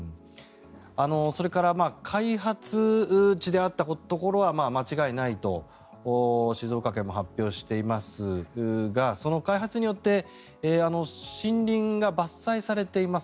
それから開発地であったところは間違いないと静岡県も発表していますがその開発によって森林が伐採されています。